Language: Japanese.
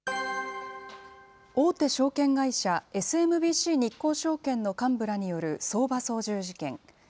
大手証券会社、ＳＭＢＣ日興証券の幹部らによる相場操縦事件。